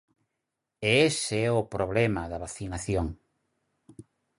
E ese é o problema da vacinación.